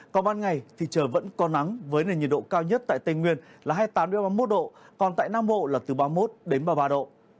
còn ban ngày thì trời vẫn có nắng với nền nhiệt độ cao nhất tại tây nguyên là hai mươi tám ba mươi một độ còn tại nam bộ là từ ba mươi một đến ba mươi ba độ